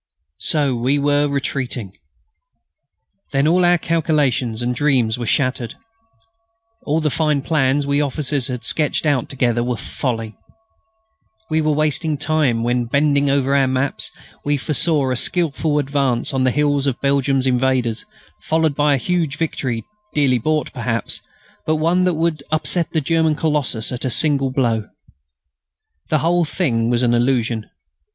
So we were retreating. Then all our calculations and dreams were shattered. All the fine plans we officers had sketched out together were folly. We were wasting time when, bending over our maps, we foresaw a skilful advance on the heels of Belgium's invaders, followed by a huge victory, dearly bought, perhaps, but one that would upset the German Colossus at a single blow. The whole thing was an illusion.